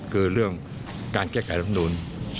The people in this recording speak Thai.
คือเรื่องการแก้ไขรำนูล